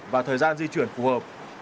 và thời gian di chuyển phù hợp